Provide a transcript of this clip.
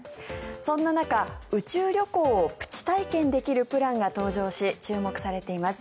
そんな中、宇宙旅行をプチ体験できるプランが登場し注目されています。